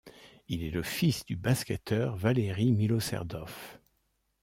Il est le fils du basketteur Valeri Miloserdov.